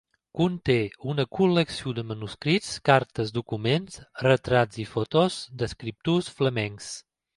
Conté una col·lecció de manuscrits, cartes, documents, retrats i fotos d'escriptors flamencs.